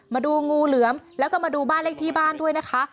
มาดูงูเหลือมแล้วก็มาดูบ้านเลขที่บ้านด้วยนะคะ